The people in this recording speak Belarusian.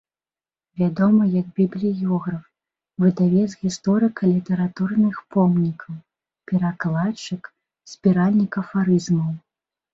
Вядомы як бібліёграф, выдавец гісторыка-літаратурных помнікаў, перакладчык, збіральнік афарызмаў.